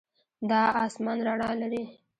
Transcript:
دا آسمان رڼا لري.